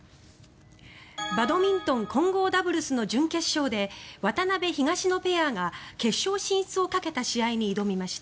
バドミントン混合ダブルスの準決勝で渡辺・東野ペアが決勝進出をかけた試合に挑みました。